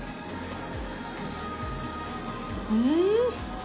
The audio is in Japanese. うん！